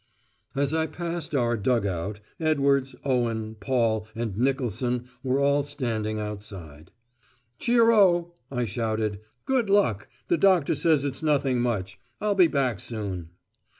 As I passed our dug out, Edwards, Owen, Paul, and Nicholson were all standing outside. "Cheero," I shouted. "Good luck. The doctor says it's nothing much. I'll be back soon."